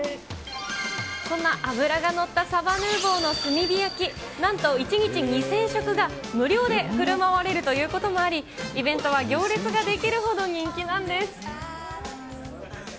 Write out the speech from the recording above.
そんな脂が乗ったサバヌーヴォーの炭火焼き、なんと１日２０００食が無料でふるまわれるということもあり、イベントは行列が出来るほど人気なんです。